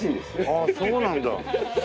ああそうなんだ。